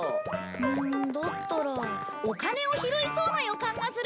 うんだったらお金を拾いそうな予感がする。